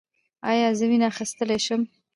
ایا زه وینه اخیستلی شم؟